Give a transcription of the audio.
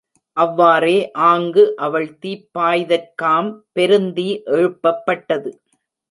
அவ்வாறே ஆங்கு அவள் தீப்பாய்தற்காம் பெருந்தீ எழுப்பப் பட்டது.